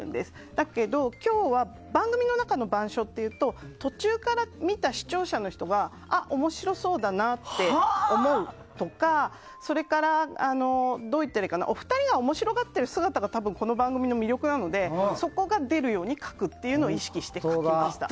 だけど、今日は番組の中の板書っていうと途中から見た視聴者の人があ、面白そうだなって思うとかそれからお二人が面白がっている姿が多分、この番組の魅力なのでそこが出るように描くというのを意識しました。